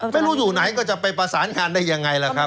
ไม่รู้อยู่ไหนก็จะไปประสานงานได้ยังไงล่ะครับ